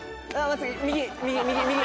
右右右。